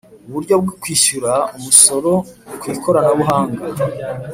Uburyo bwo kwishyura umusoro kwikoranabuhanga